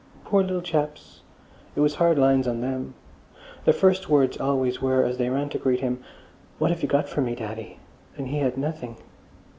Poor little chaps! It was hard lines on them. Their first words always were as they ran to greet him, "What have you got for me, daddy?" and he had nothing.